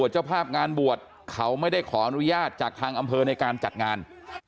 เจ้าภาพงานบวชเขาไม่ได้ขออนุญาตจากทางอำเภอในการจัดงาน